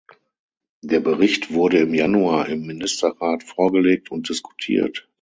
Der Bericht wurde im Januar im Ministerrat vorgelegt und diskutiert.